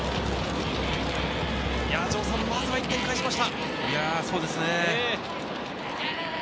城さん、まずは１点返しました。